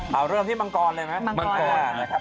เอาเริ่มที่มังกรเลยนะครับ